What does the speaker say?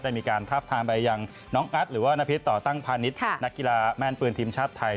มีการทาบทามไปยังน้องอัดหรือว่านพิษต่อตั้งพาณิชย์นักกีฬาแม่นปืนทีมชาติไทย